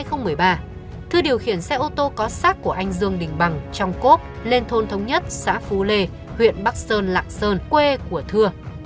khoảng một mươi bốn h ngày một mươi một tháng một mươi một năm hai nghìn một mươi ba thư điều khiển xe ô tô có sắc của anh dương đình bằng trong cốp lên thôn thống nhất xã phú lê huyện bắc sơn lạng sơn quê của thừa